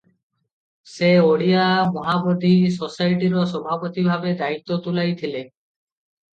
ସେ ଓଡ଼ିଶା ମହାବୋଧି ସୋସାଇଟିର ସଭାପତି ଭାବେ ଦାୟିତ୍ୱ ତୁଲାଇଥିଲେ ।